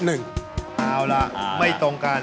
เอาล่ะไม่ตรงกัน